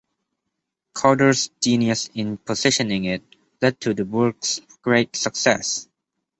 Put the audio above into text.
Calder's genius in positioning it led to the work's great success.